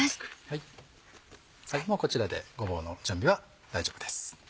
こちらでごぼうの準備は大丈夫です。